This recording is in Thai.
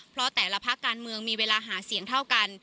เพราะแต่ละภาคการเมืองมีเวลาหาเสียงเท่ากัน